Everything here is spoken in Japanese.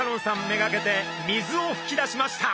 目がけて水をふき出しました。